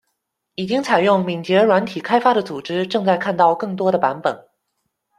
已经采用敏捷软体开发的组织正在看到更多的版本。